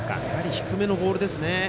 低めのボールですね。